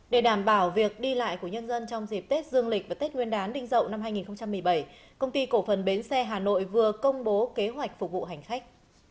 để đảm bảo việc đi lại của nhân dân trong dịp tết dương lịch và tết nguyên đán đinh dậu năm hai nghìn một mươi bảy công ty cổ phần bến xe hà nội vừa công bố kế hoạch phục vụ hành khách